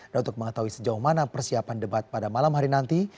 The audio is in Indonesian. dan untuk mengetahui sejauh mana persiapan debat pada malam hari nanti